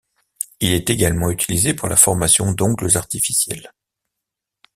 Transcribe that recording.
Il est également utilisé pour la formation d'ongles artificiels.